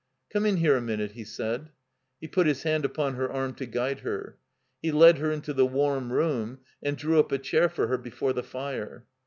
"Come in here a minute," he said. He put his hand upon her arm to guide her. He led her into the warm room and drew up a chair for her before the fire.